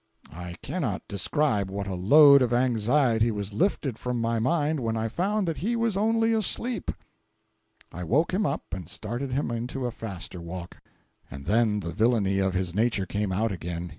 461.jpg (86K) I cannot describe what a load of anxiety was lifted from my mind when I found that he was only asleep. I woke him up and started him into a faster walk, and then the villainy of his nature came out again.